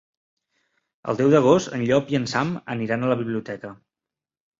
El deu d'agost en Llop i en Sam aniran a la biblioteca.